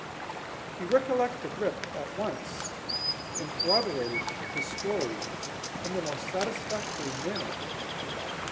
He recollected Rip at once, and corroborated his story in the most satisfactory manner.